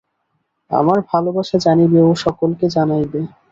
আমার ভালবাসা জানিবে ও সকলকে জানাইবে।